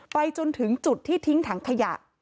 ไปจนถึงจุดที่ทิ้งถังขยะ